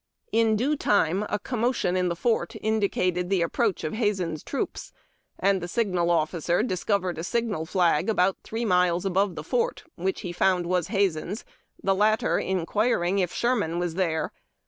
Li due time a commotion in the fort indicated the approach of Hazen's troops, and the signal officer discovered a signal flag about three miles above the fort, which he found was Hazen's, the latter inquiring if Sherman was there.